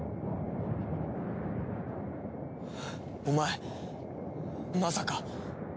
お前まさか！